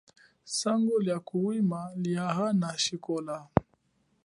Songo lia kuhwima lia ana ashikola.